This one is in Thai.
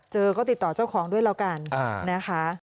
ก็ติดต่อเจ้าของด้วยแล้วกันนะคะ